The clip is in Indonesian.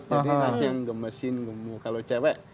jadi anak yang gemesin gemu kalau cewek